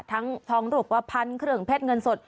ทั้งทองโรควะพันธุ์เครื่องเพชรเงินสด